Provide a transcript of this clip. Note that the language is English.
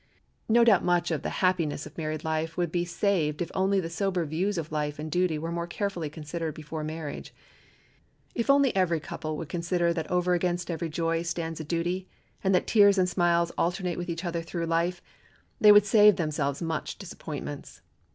No doubt much of the unhappiness of married life would be saved if only the sober views of life and duty were more carefully considered before marriage. If only every couple would consider that over against every joy stands a duty, and that tears and smiles alternate with each other through life, they would save themselves much disappointments.